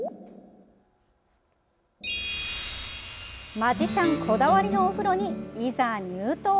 マジシャンこだわりのお風呂にいざ入湯。